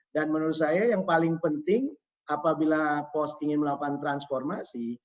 dan menurut saya yang paling penting apabila pt post ingin melakukan transformasi